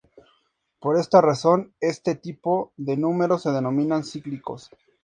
Por esta razón, este tipo de números se denominan cíclicos.